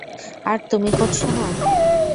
আর তুমি করছ না?